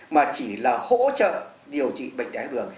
mà chỉ là hỗ trợ điều trị bệnh đáy thao đường